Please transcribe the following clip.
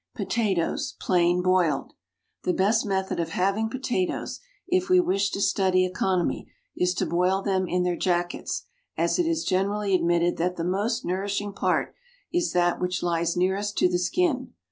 POTATOES, PLAIN BOILED. The best method of having potatoes, if we wish to study economy, is to boil them in their jackets, as it is generally admitted that the most nourishing part is that which lies nearest to the skin.